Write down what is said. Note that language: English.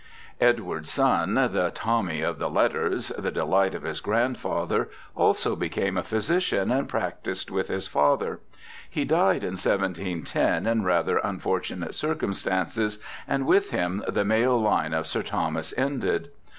Edward's son, the 'Tommy' of the letters, the delight of his grandfather, also became a physician, and practised with his father. He died in 1710 in 254 BIOGRAPHICAL ESSAYS rather unfortunate circumstances, and with him the male line of Sir Thomas ended.